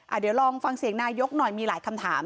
เดี๋ยวลองฟังเสียงนายกหน่อยมีหลายคำถาม